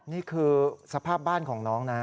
นี่คือสภาพบ้านของน้องนะ